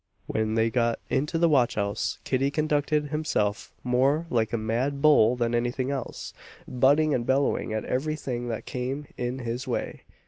When they got into the watch house, Kitty conducted himself more like a mad bull than any thing else butting and bellowing at every thing that came in his way.